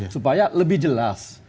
supaya lebih jelas